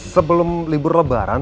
sebelum libur lebaran